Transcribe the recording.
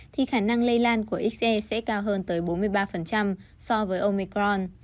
thì khả năng lây lan của xe sẽ cao hơn tới bốn mươi ba so với omicron